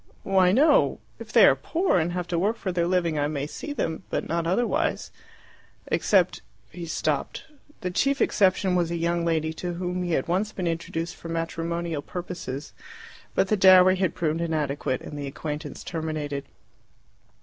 "Why, no. If they are poor and have to work for their living I may see them but not otherwise. Except " He stopped. The chief exception was a young lady, to whom he had once been introduced for matrimonial purposes. But the dowry had proved inadequate, and the acquaintance terminated.